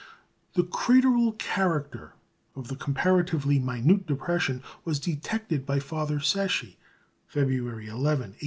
The crateral character of this comparatively minute depression was detected by Father Secchi, February 11, 1867.